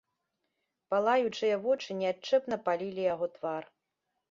Палаючыя вочы неадчэпна палілі яго твар.